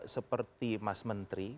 seperti mas mentri